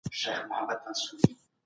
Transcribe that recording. دا اړیکي د ټولنپوهنې موضوع جوړوي.